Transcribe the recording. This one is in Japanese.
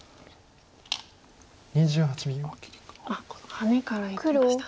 ハネからいきました。